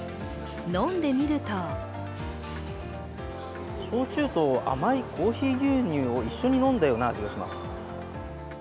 飲んでみると焼酎と甘いコーヒー牛乳を一緒に飲んだような味がします。